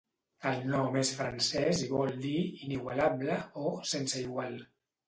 El nom és francès i vol dir "inigualable" o "sense igual".